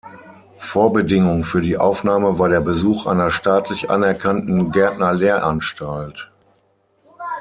Vorbedingung für die Aufnahme war der Besuch einer staatlich anerkannten Gärtnerlehranstalt.